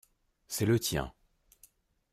C’est le tien.